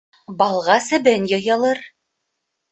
Балға себен йыйылыр.